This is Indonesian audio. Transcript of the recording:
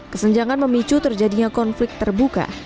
kesenjangan memicu terjadinya konflik terbuka